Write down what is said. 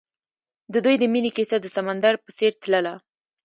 د دوی د مینې کیسه د سمندر په څېر تلله.